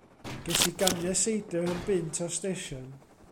Ges i ganiau seidr am bunt o'r sdesion.